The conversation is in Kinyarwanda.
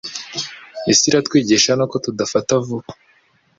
isi iratwigisha nuko tudafata vuba